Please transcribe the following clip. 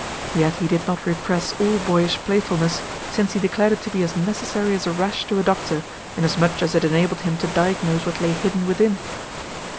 Yet he did not repress all boyish playfulness, since he declared it to be as necessary as a rash to a doctor, inasmuch as it enabled him to diagnose what lay hidden within.